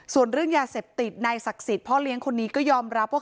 ส่วนเรื่องยาเสพติดนายศักดิ์สิทธิ์พ่อเลี้ยงคนนี้ก็ยอมรับว่า